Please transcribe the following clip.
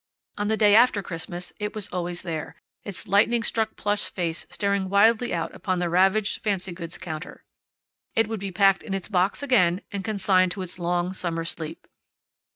On the day after Christmas it was always there, its lightning struck plush face staring wildly out upon the ravaged fancy goods counter. It would be packed in its box again and consigned to its long summer's sleep.